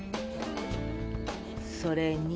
それに。